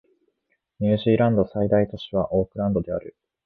ニュージーランドの最大都市はオークランドである